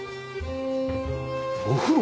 お風呂。